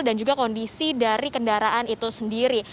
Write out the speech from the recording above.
dan juga kondisi dari kendaraan itu sendiri